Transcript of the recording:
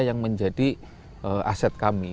yang menjadi aset kami